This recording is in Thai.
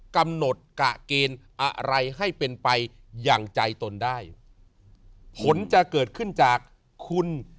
กำหนดกะเกณฑ์อะไรให้เป็นไปอย่างใจตนได้ผลจะเกิดขึ้นจากคุณ